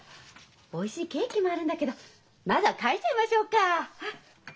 おいしいケーキもあるんだけどまずは書いちゃいましょうか。